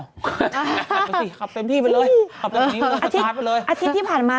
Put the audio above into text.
ขับไป๔ขับเต็มที่ไปเลยขับจากนี้ลงสะชาติไปเลยอาทิตย์ที่ผ่านมา